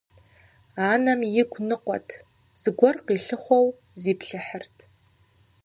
Анэм игу ныкъуэт, зыгуэр къилъыхъуэу зиплъыхьырт.